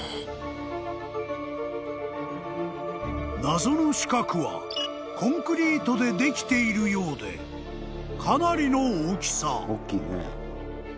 ［謎の四角はコンクリートでできているようでかなりの大きさ］